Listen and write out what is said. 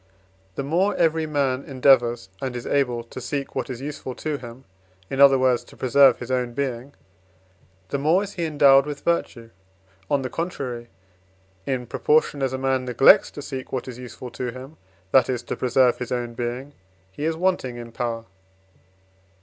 The more every man endeavours, and is able to seek what is useful to him in other words, to preserve his own being the more is he endowed with virtue; on the contrary, in proportion as a man neglects to seek what is useful to him, that is, to preserve his own being, he is wanting in power.